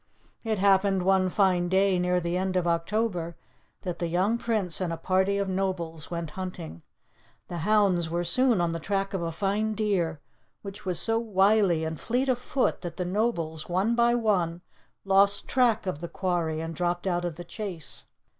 It happened one fine day near the end of October that the young Prince and a party of nobles went hunting. The hounds were soon on the track of a fine deer, which was so wily and fleet of foot that the nobles, one by one, lost track of the quarry, and dropped out of the chase.